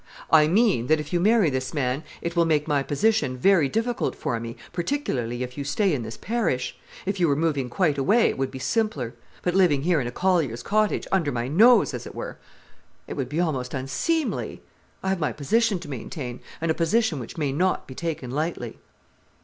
"I mean that if you marry this man, it will make my position very difficult for me, particularly if you stay in this parish. If you were moving quite away, it would be simpler. But living here in a collier's cottage, under my nose, as it were—it would be almost unseemly. I have my position to maintain, and a position which may not be taken lightly."